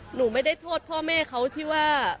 หนูไม่ได้โทษพ่อแม่เขาที่ว่า